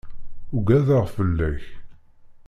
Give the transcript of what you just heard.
Ugadeɣ fell-ak.